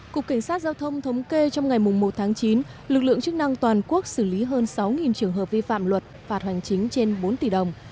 cục cảnh sát giao thông thống kê trong ngày một tháng chín lực lượng chức năng toàn quốc xử lý hơn sáu trường hợp vi phạm luật phạt hoành chính trên bốn tỷ đồng